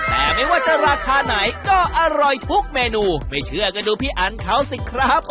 แต่ไม่ว่าจะราคาไหนก็อร่อยทุกเมนูไม่เชื่อก็ดูพี่อันเขาสิครับ